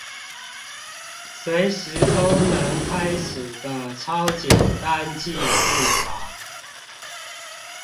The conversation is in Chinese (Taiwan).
隨時都能開始的超簡單記事法